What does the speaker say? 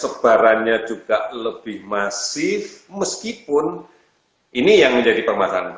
sebarannya juga lebih masif meskipun ini yang menjadi permasalahan